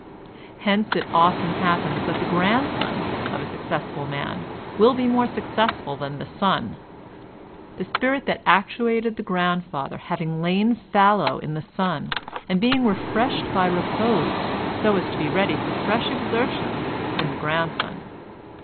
Hence it oftens happens that the grandson of a successful man will be more successful than the son—the spirit that actuated the grandfather having lain fallow in the son and being refreshed by repose so as to be ready for fresh exertion in the grandson.